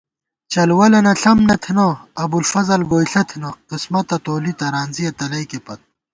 چل ولَنہ ݪَم نہ تھنہ ، ابوالفضل گوئیݪہ تھنہ قِسمتہ تولی، ترانزِیہ تلَئیکے پت